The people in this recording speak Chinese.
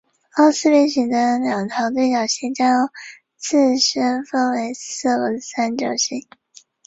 凸四边形的两条对角线将自身分成四个三角形。